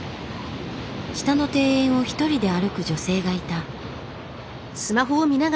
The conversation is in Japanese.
下の庭園を一人で歩く女性がいた。